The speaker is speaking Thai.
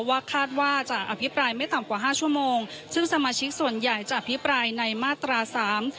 ว่าคาดว่าจะอภิปรายไม่ต่ำกว่าห้าชั่วโมงซึ่งสมาชิกส่วนใหญ่จะอภิปรายในมาตราสาม